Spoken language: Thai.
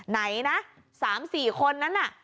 ไหนนะ๓๔คนนั้นน่ะ